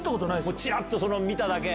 ちらっと見ただけ？